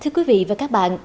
thưa quý vị và các bạn